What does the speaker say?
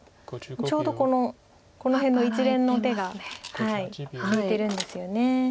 ちょうどこのこの辺の一連の手が利いてるんですよね。